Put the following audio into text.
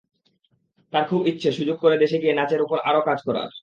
তার খুব ইচ্ছে সুযোগ করে দেশে গিয়ে নাচের ওপর আরও কাজ করার।